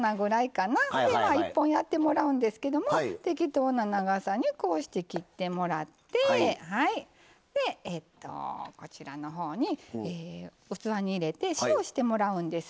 １本やってもらうんですけども適当な長さにこうして切ってもらって器に入れて塩してもらうんです。